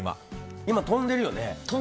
今、飛んでるよね。